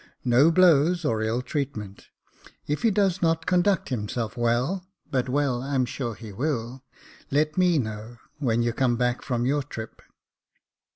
No blows or ill treatment. If he does not con duct himself well (but well I'm sure he will), let me know when you come back from your trip."